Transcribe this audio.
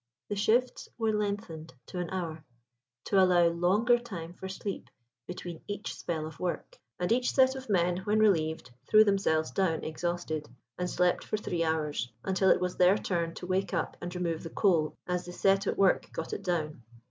The shifts were lengthened to an hour to allow longer time for sleep between each spell of work; and each set of men, when relieved, threw themselves down exhausted, and slept for three hours, until it was their turn to wake up and remove the coal as the set at work got it down.